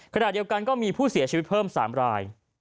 ขณะเดียวกันก็มีผู้เสียชีวิตเพิ่ม๓ราย